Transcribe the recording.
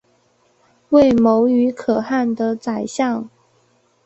为牟羽可汗的宰相。